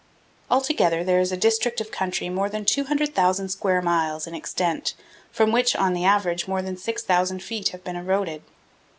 Altogether, there is a district of country more than 200,000 square miles in extent from which on the average more than 6,000 feet have been eroded.